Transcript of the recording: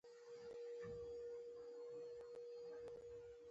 له بدو خلکو څخه لرې والی غوره دی.